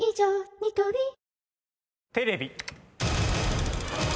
ニトリテレビ。